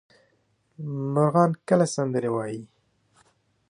مرغان کله سندرې وايي؟